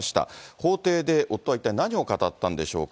法廷で夫は一体何を語ったんでしょうか。